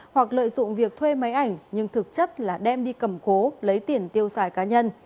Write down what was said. hoặc lợi dụng việc thuê máy ảnh nhưng thực chất là đem đi cầm cố lấy tiền tiêu xài cá nhân